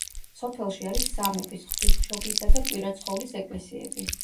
სოფელში არის სამების, ღვთისმშობლისა და კვირაცხოვლის ეკლესიები.